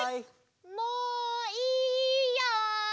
もういいよ！